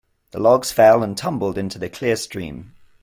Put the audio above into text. The logs fell and tumbled into the clear stream.